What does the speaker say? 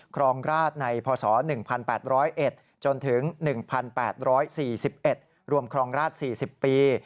ครองราชในพศ๑๘๐๑จนถึง๑๘๔๑รวมครองราช๔๐ปี